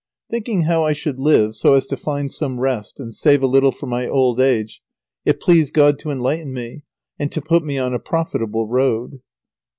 Thinking how I should live so as to find some rest and save a little for my old age, it pleased God to enlighten me, and to put me on a profitable road.